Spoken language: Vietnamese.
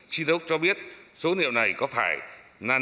chỉ đốc cho biết số liệu này có phải là nợ ngoại tệ